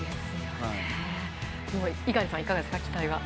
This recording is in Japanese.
猪狩さん、いかがですか？